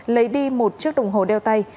lấy đi một chiếc đồng hồ đeo tay